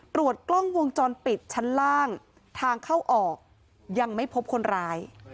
ตรวจกล้องวงจรปิดชั้นล่างทางเข้าออกยังไม่พบคนร้าย